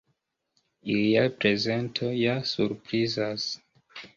Ilia prezento ja surprizas.